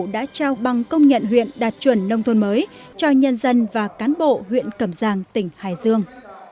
đã trao bằng công nhận huyện đạt chuẩn nông thôn mới cho nhân dân và cán bộ huyện cẩm giang tỉnh hải dương